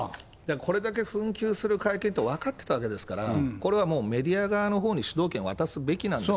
これだけ紛糾する会見と分かってたわけですから、これはもうメディア側のほうに主導権を渡すべきなんです。